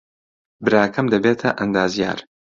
براکەم دەبێتە ئەندازیار.